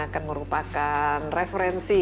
akan merupakan referensi